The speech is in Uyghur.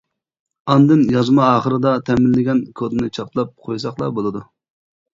ئاندىن، يازما ئاخىرىدا تەمىنلىگەن كودنى چاپلاپ قويساقلا بولىدۇ.